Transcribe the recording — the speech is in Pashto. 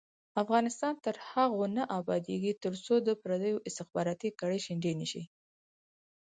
افغانستان تر هغو نه ابادیږي، ترڅو د پردیو استخباراتي کړۍ شنډې نشي.